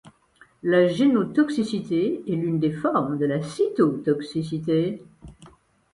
La génotoxicité est l'une des formes de la cytotoxicité.